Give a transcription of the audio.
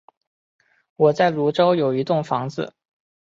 我在芦洲有一栋房子